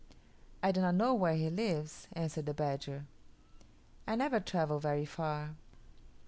"I do not know where he lives," answered the badger. "I never travel very far.